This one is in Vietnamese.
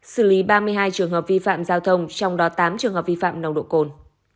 xử lý ba mươi hai trường hợp vi phạm giao thông trong đó tám trường hợp vi phạm nồng độ cồn